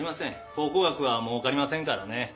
考古学はもうかりませんからね。